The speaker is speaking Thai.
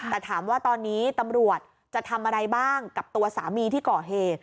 แต่ถามว่าตอนนี้ตำรวจจะทำอะไรบ้างกับตัวสามีที่ก่อเหตุ